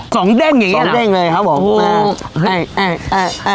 สองเด้งอย่างเงี้ยสองเด้งเลยครับผมโอ้โหเอ่ยเอ่ยเอ่ย